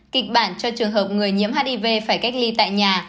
kịch bản cho trường hợp người nhiễm hiv phải cách ly tại nhà